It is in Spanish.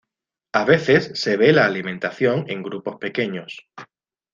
A veces se ve la alimentación en grupos pequeños.